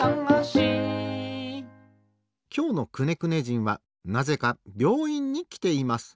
きょうのくねくね人はなぜかびょういんにきています。